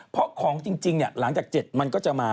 เพราะของจริงหลังจาก๗มันก็จะมา